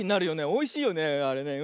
おいしいよねあれね。